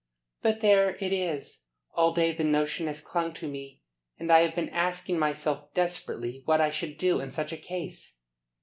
"But there it is. All day the notion has clung to me, and I have been asking myself desperately what I should do in such a case."